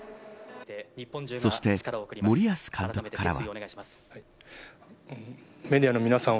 そして、森保監督からは。